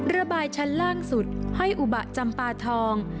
ระบายชั้นล่างสุดห้อยอุบะจำปาทอง